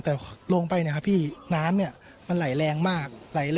แต่ลงไปนะครับพี่น้ำมันไหลแรงมาก